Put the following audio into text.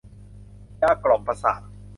ยากล่อมประสาท